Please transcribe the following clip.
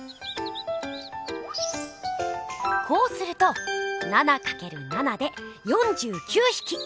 こうすると７かける７で４９ひき。